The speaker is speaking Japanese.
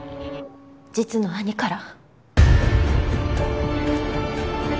実の兄から。